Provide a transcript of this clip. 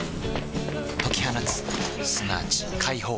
解き放つすなわち解放